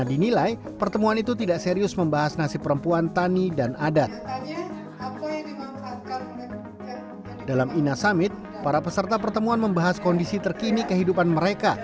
dalam ina summit para peserta pertemuan membahas kondisi terkini kehidupan mereka